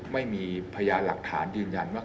ไม่มีพยานหลักฐานยืนยันว่า